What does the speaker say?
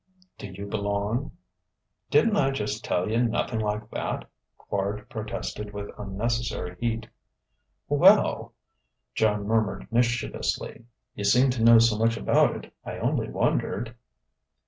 "Do you belong?" "Didn't I just tell you nothing like that?" Quard protested with unnecessary heat. "Well," Joan murmured mischievously, "you seem to know so much about it. I only wondered...."